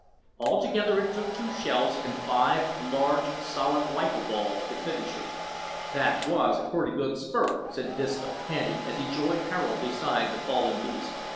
Altogether, it took two shells and five large solid rifle balls to finish him. "That wos a pretty good spurt," said Disco, panting, as he joined Harold beside the fallen beast.